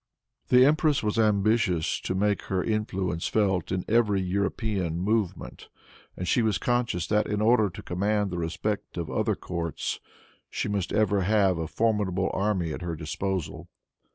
The empress was ambitious to make her influence felt in every European movement, and she was conscious that, in order to command the respect of other courts, she must ever have a formidable army at her disposal.